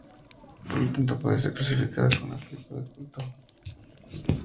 Por lo tanto, puede ser clasificada como una película de culto.